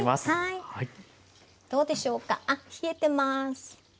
どうでしょうかあっ冷えてます。